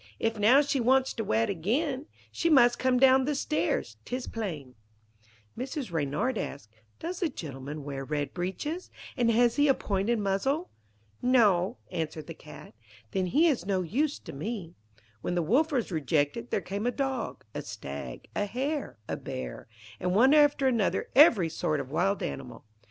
"If now she wants to wed again, She must come down the stairs, 'tis plain."' Mrs. Reynard asked: 'Does the gentleman wear red breeches, and has he a pointed muzzle?' 'No,' answered the Cat. 'Then he is no use to me.' When the Wolf was rejected, there came a Dog, a Stag, a Hare, a Bear, and one after another every sort of wild animal.